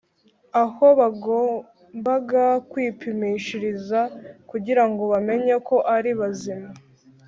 aho bagombaga kwipimishiriza kugirango bamenye ko ari bazima